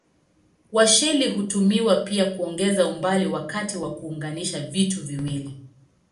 Washeli hutumiwa pia kuongeza umbali wakati wa kuunganisha vitu viwili.